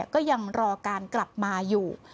ก็ยังรอการกลับมาอยู่